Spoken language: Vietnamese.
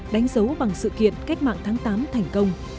đánh dấu bằng sự kiện cách mạng tháng tám thành công